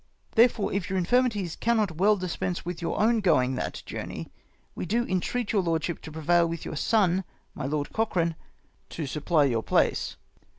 " Therefore, if your infirmities cannot well dispense with your own going that journey, we do entreat your lordship to prevail with your son, my Lord Cochrane, to supply your place.